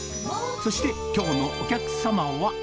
そしてきょうのお客様は。